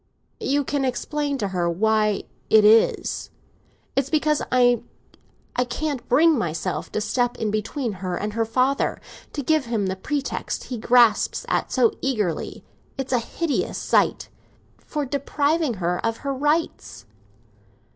"You can explain to her why it is. It's because I can't bring myself to step in between her and her father—to give him the pretext he grasps at—so eagerly (it's a hideous sight) for depriving her of her rights."